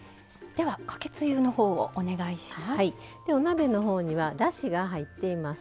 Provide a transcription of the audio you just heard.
では、かけつゆのほうをお願いします。